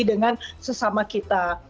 dengan sesama kita